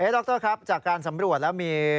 ดรครับจากการสำรวจแล้วมี